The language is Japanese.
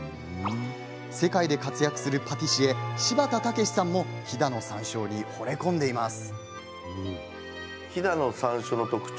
世界で活躍するパティシエ柴田武さんも飛騨の山椒に、ほれ込んでいます。